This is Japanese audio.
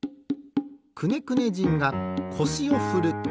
くねくね人がこしをふる。